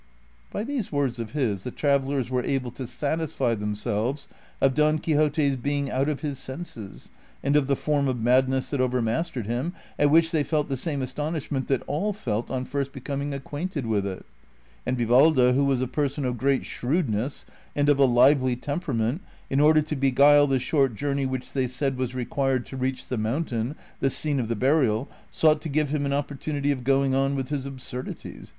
By these words of his the travellers were able to satisfy themselves of Don Quixote's being out of his senses and of the form of madness that overmastered him, at which they felt the same astonishment that all felt on first becoming acquainted with it ; and Vivaldo, who was a person of great shrewdness and of a lively temperament, in order to beguile the short joitrney which they said was required to reach the mountain, the scene of the burial, sought to give him an opportunity of going on with his absurdities.